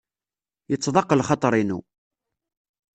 Yettḍaq lxaḍer-inu.